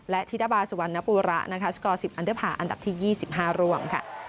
และธิตบาสวรรณปูระสกอร์๑๐อันเดอร์ภาคอันดับที่๒๕ร่วม